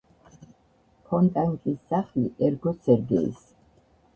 ფონტანკის სახლი ერგო სერგეის.